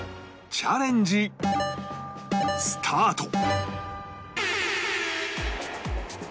チャレンジスタート